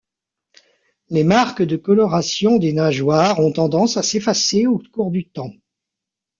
Les marques de coloration des nageoires ont tendance à s'effacer au cours du temps.